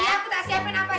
iya aku tak siapin apa apa